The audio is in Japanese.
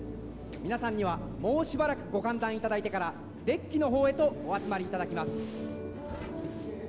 皆さんにはもうしばらくご歓談いただいてからデッキのほうへとお集まりいただきます」